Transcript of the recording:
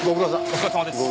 お疲れさまです。